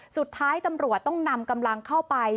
สุดท้ายตำรวจต้องนำกำลังเข้าไป